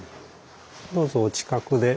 どうぞお近くで。